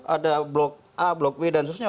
ada blok a blok b dan seterusnya